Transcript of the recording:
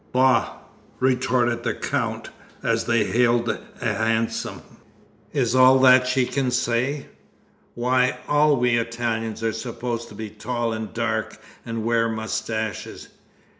"Bah!" retorted the Count, as they hailed a hansom. "Is all that she can say? Why, all we Italians are supposed to be tall and dark, and wear moustaches.